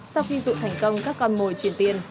sau khi tụi thành công các con mồi truyền tiền